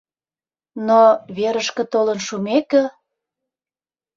Но верышке толын шумеке